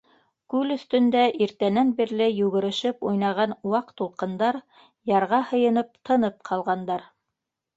Күл өҫтөндә иртәнән бирле йүгерешеп уйнаған ваҡ тулҡындар, ярға һыйынып, тынып ҡалғандар.